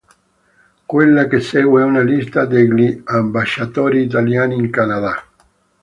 Quella che segue è una lista degli ambasciatori italiani in Canada.